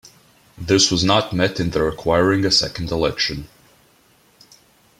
This was not met in the requiring a second election.